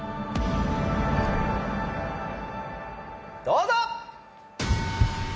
どうぞ！